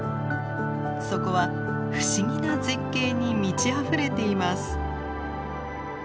そこは不思議な絶景に満ちあふれています。